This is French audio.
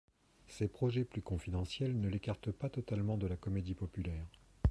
Ces projets plus confidentiels ne l'écartent pas totalement de la comédie populaire.